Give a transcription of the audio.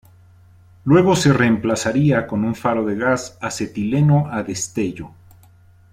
Luego se reemplazaría con un faro de gas acetileno a destello.